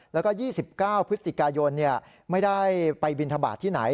แล้วก็๒๙พฤศจิกายนไม่ได้ไปบินทบาทที่ไหน